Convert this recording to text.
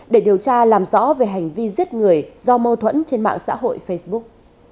để điều tra làm rõ về hành vi giết người do mâu thuẫn trên mạng xã hội facebook